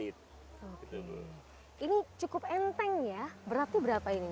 ini cukup enteng ya beratnya berapa ini